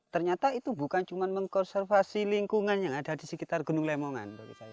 ternyata itu bukan cuma mengkonservasi lingkungan yang ada di sekitar gunung lemongan